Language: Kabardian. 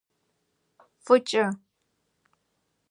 ФӀыкӀэ…